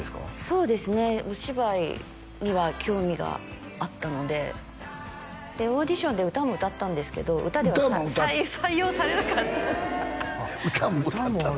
そうですねお芝居には興味があったのででオーディションで歌も歌ったんですけど歌も歌った採用されなかった歌も歌ったの？